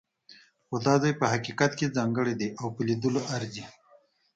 خو دا ځای په حقیقت کې ځانګړی دی او په لیدلو ارزي.